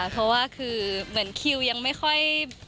เพราะว่าคือเหมือนคิวยังไม่ค่อย